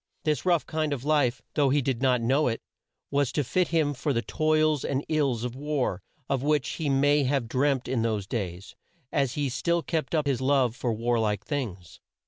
This rough kind of life, though he did not know it, was to fit him for the toils and ills of war, of which he may have dreamt in those days, as he still kept up his love for war like things.